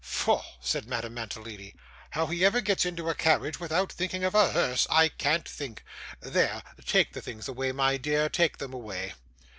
'Foh!' said Madame Mantalini, 'how he ever gets into a carriage without thinking of a hearse, I can't think. There, take the things away, my dear, take them away.